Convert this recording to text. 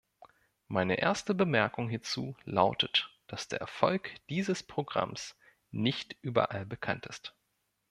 Meine erste Bemerkung hierzu lautet, dass der Erfolg dieses Programms nicht überall bekannt ist.